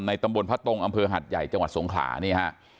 ตำบลพระตรงอำเภอหัดใหญ่จังหวัดสงขลานี่ฮะ